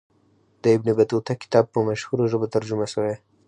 د ابن بطوطه کتاب په مشهورو ژبو ترجمه سوی.